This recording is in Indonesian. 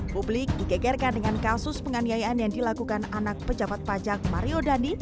publik digegerkan dengan kasus penganiayaan yang dilakukan anak pejabat pajak mario dandi